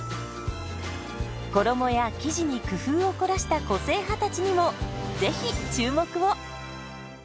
衣や生地に工夫を凝らした個性派たちにもぜひ注目を！